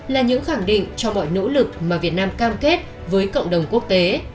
là những khẳng định cho mọi nỗ lực mà việt nam cam kết với cộng đồng quốc tế